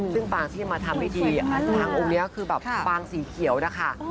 ซึ่งปางที่มาทำพิธีทางองค์นี้คือแบบปางสีเขียวนะคะ